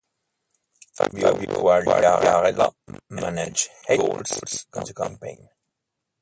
Fabio Quagliarella managed eight goals in the campaign.